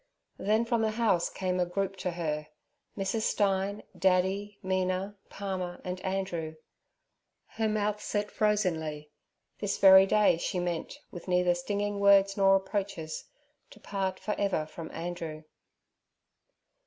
Then from the house came a group to her—Mrs. Stein, Daddy, Mina, Palmer, and Andrew. Her mouth set frozenly; this very day she meant, with neither stinging words nor reproaches, to part for ever from Andrew.